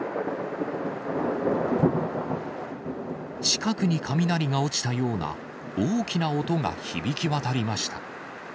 近くに雷が落ちたような大きな音が響き渡りました。